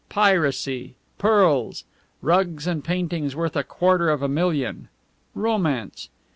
Piracy! Pearls! Rugs and paintings worth a quarter of a million! Romance!